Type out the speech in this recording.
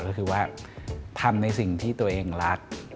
ก็คือว่าทำในสิ่งที่ตัวเองรัก